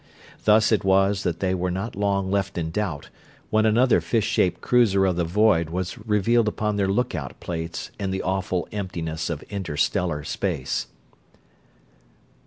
Thus it was that they were not left long in doubt, when another fish shaped cruiser of the world was revealed upon their lookout plates in the awful emptiness of interstellar space.